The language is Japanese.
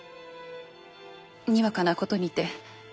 にわかなことにて。